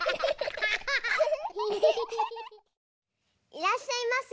いらっしゃいませ。